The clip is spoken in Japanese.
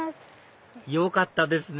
よかったですね